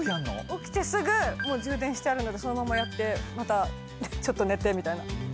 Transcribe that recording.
起きてすぐ充電してあるのでそのままやってまたちょっと寝てみたいな。